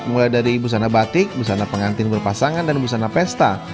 mulai dari busana batik busana pengantin berpasangan dan busana pesta